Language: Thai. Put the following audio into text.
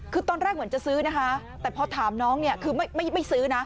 คือตอนแรกเหมือนจะซื้อนะคะแต่พอถามน้องเนี่ยคือไม่ซื้อนะ